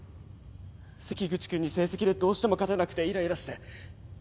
関口君に成績でどうしても勝てなくてイライラして。